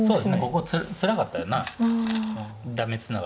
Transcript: ここつらかったよな。